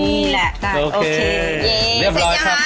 นี่แหละโอเคเรียบร้อยครับ